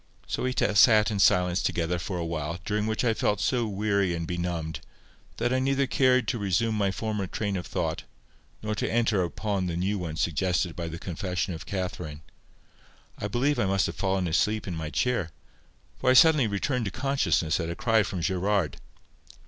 So we sat in silence together for a while, during which I felt so weary and benumbed, that I neither cared to resume my former train of thought, nor to enter upon the new one suggested by the confession of Catherine. I believe I must have fallen asleep in my chair, for I suddenly returned to consciousness at a cry from Gerard.